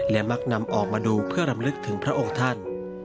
และมักนำออกมาดูเพื่อรำลึกถึงพระองค์ท่าน